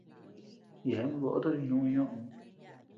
Yeabean bóʼo tochi jinuʼü ñóʼöo.